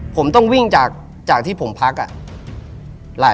ผมต้องวิ่งจากที่ผมพัก